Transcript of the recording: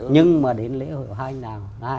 nhưng mà đến lễ hội hoa hình đào